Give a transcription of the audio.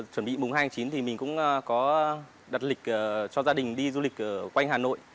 chuẩn bị mùng hai tháng chín thì mình cũng có đặt lịch cho gia đình đi du lịch quanh hà nội